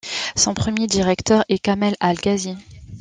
Son premier directeur est Kamel al-Ghazzi.